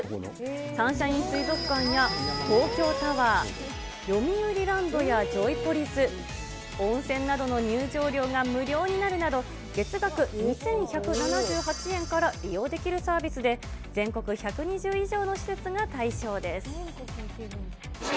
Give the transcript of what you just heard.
サンシャイン水族館や東京タワー、よみうりランドやジョイポリス、温泉などの入場料が無料になるなど、月額２１７８円から利用できるサービスで、全国１２０以上の施設えっ？